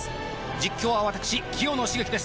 実況は私清野茂樹です